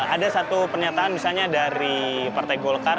ada satu pernyataan misalnya dari partai golkar